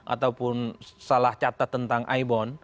ataupun salah catat tentang ibon